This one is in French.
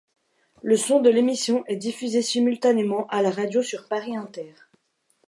Le son de l'émission est diffusé simultanément à la radio sur Paris-Inter.